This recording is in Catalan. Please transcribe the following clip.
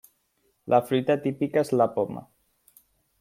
La fruita típica és la poma.